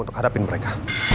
untuk hadapin mereka